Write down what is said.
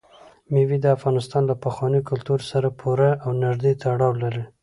مېوې د افغانستان له پخواني کلتور سره پوره او نږدې تړاو لري.